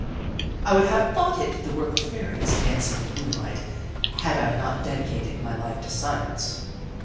I would have thought it the work of fairies, dancing in the moonlight, had I not dedicated my life to Science.